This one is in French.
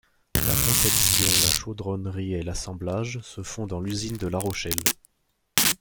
La conception, la chaudronnerie et l'assemblage se font dans l'usine de La Rochelle.